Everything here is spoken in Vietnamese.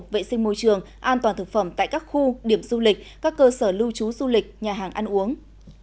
vệ sinh môi trường an toàn thực phẩm tại các khu điểm du lịch các cơ sở lưu trú du lịch nhà hàng ăn uống